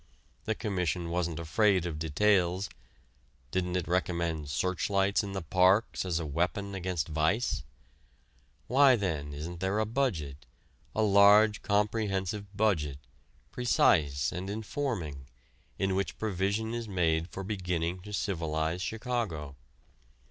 The Commission wasn't afraid of details: didn't it recommend searchlights in the parks as a weapon against vice? Why then isn't there a budget, a large, comprehensive budget, precise and informing, in which provision is made for beginning to civilize Chicago?